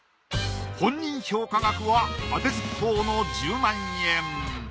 本人評価額はあてずっぽうの１０万円。